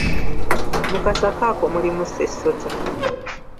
Mu kasaka ako mulimu ssessota.